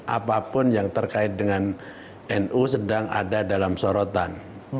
apapun yang terkait dengan nu sedang ada dalam sorotan